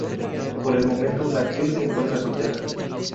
Por el momento, la actriz se encuentra soltera.